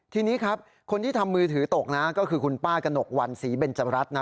ทีนี้ครับคนที่ทำมือถือตกนะก็คือคุณป้ากระหนกวันศรีเบนจรัฐนะ